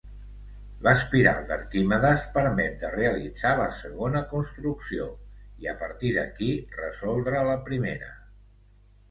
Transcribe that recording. L'espiral d'Arquimedes permet de realitzar la segona construcció i a partir d'aquí resoldre la primera.